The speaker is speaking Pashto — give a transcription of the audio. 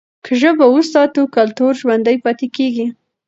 که ژبه وساتو، کلتور ژوندي پاتې کېږي.